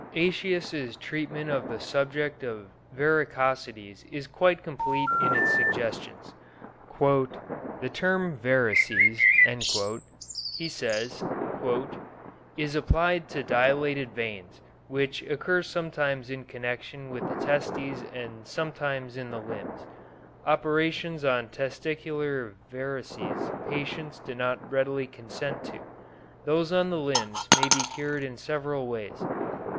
Aëtius' treatment of the subject of varicosities is quite complete in its suggestions. "The term varices," he says, "is applied to dilated veins, which occur sometimes in connection with the testes and sometimes in the limbs. Operations on testicular varices patients do not readily consent to; those on the limbs may be cured in several ways.